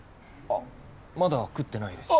あっまだ食ってないです。